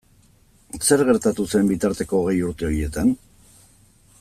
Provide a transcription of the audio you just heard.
Zer gertatu zen bitarteko hogei urte horietan?